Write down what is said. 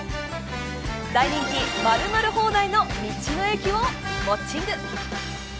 大人気、○○放題の道の駅をウオッチング。